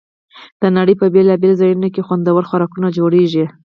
د نړۍ په بېلابېلو ځایونو کې خوندور خوراکونه جوړېږي.